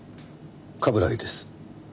冠城です。